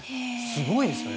すごいですよね。